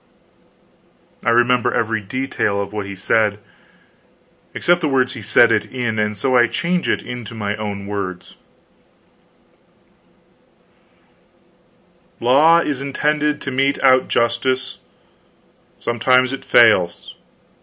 I remember every detail of what he said, except the words he said it in; and so I change it into my own words: "Law is intended to mete out justice. Sometimes it fails.